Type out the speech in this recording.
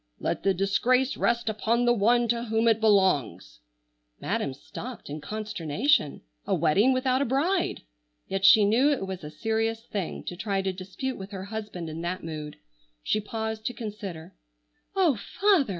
Let the disgrace rest upon the one to whom it belongs!" Madam stopped in consternation! A wedding without a bride! Yet she knew it was a serious thing to try to dispute with her husband in that mood. She paused to consider. "Oh, father!"